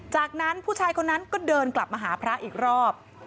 จากนั้นผู้ชายคนนั้นก็เดินกลับมาหาพระอีกรอบ